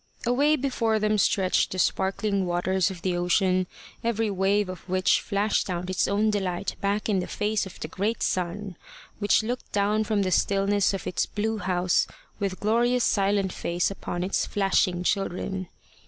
Away before them stretched the sparkling waters of the ocean, every wave of which flashed out its own delight back in the face of the great sun, which looked down from the stillness of its blue house with glorious silent face upon its flashing children.